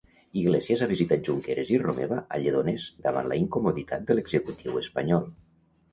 Iglesias ha visitat Junqueras i Romeva a Lledoners davant la incomoditat de l'Executiu espanyol.